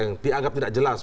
yang dianggap tidak jelas